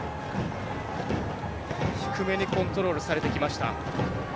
低めにコントロールされてきました。